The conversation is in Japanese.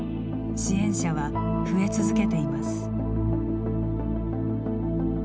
支援者は増え続けています。